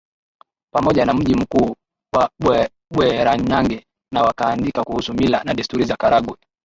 Pamoja na mji mkuu wa Bweranyange na wakaandika kuhusu mila na desturi za Karagwe